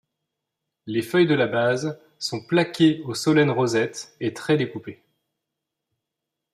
Les feuilles de la base sont plaquées au solen rosette et très découpées.